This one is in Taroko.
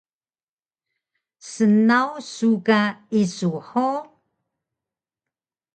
Snaw su ka isu hug?